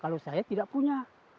kalau saya tidak punya